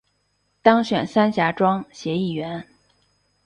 当选三峡庄协议员